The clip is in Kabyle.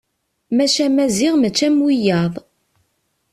Maca Maziɣ mačči am wiyaḍ.